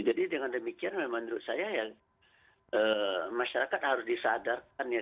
jadi dengan demikian memang menurut saya ya masyarakat harus disadarkannya